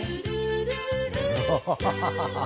ハハハハ！